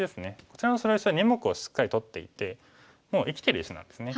こちらの白石は２目をしっかり取っていてもう生きてる石なんですね。